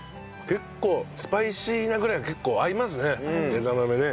結構スパイシーなぐらいが結構合いますね枝豆ね。